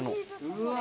うわ。